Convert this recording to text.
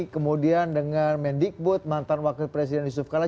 kemudian dengan mendikbud mantan wakil presiden yusuf kala